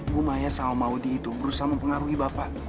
bu maya sama maudie itu berusaha mempengaruhi bapak